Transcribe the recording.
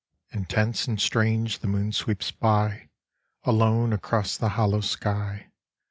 Intense and strange the moon sweeps by Alone across the hollow sky.